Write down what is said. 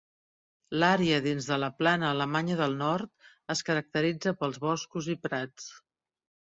L'àrea dins de la Plana Alemanya del Nord es caracteritza pels boscos i prats.